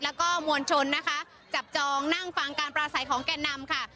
แล้วก็มวลชนนะคะจับจองนั่งฟังการปราศัยของแก่นำค่ะ